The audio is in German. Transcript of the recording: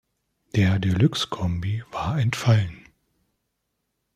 Der Deluxe-Kombi war entfallen.